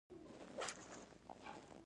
انګلیسي د اړیکو پُل دی